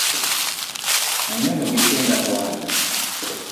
Anyono gi tienda owada